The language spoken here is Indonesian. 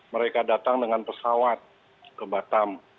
mereka datang dengan pesawat ke batam